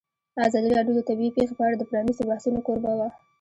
ازادي راډیو د طبیعي پېښې په اړه د پرانیستو بحثونو کوربه وه.